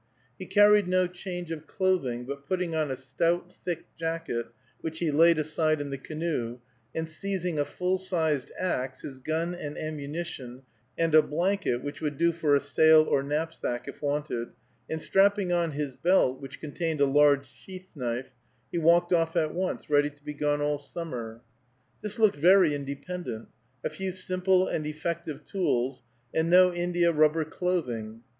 He carried no change of clothing, but putting on a stout, thick jacket, which he laid aside in the canoe, and seizing a full sized axe, his gun and ammunition, and a blanket, which would do for a sail or knapsack, if wanted, and strapping on his belt, which contained a large sheath knife, he walked off at once, ready to be gone all summer. This looked very independent; a few simple and effective tools, and no india rubber clothing.